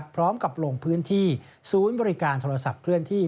พร้อมกับลงพื้นที่ศูนย์บริการโทรศัพท์เคลื่อนที่